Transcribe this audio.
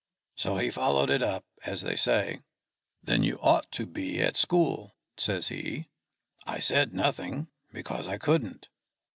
So he followed it up, as they say: 'Then you ought to be at school,' says he. I said nothing, because I couldn't.